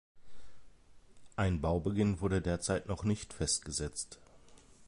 Ein Baubeginn wurde derzeit noch nicht festgesetzt.